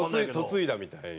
嫁いだみたいに。